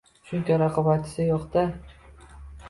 Chunki... raqobatchisi yo‘q-da.